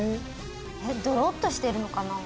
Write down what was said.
ドロッとしてるのかな？